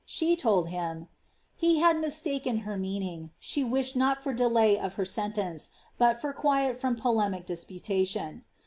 She told him, ^ he had mistaken her meaning ; she wished not for delay of her sentence, but for quiet from polemic disputation.''